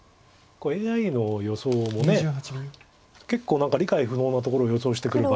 ＡＩの予想も結構何か理解不能なところを予想してくる。